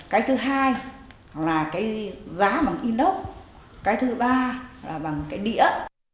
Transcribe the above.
cái thứ hai là cái giá bằng inox cái thứ ba là bằng cái đĩa